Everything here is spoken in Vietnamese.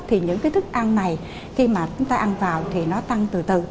thì những cái thức ăn này khi mà chúng ta ăn vào thì nó tăng từ từ